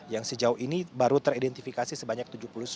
yang sejauh ini baru teridentifikasi sebanyak tujuh puluh sembilan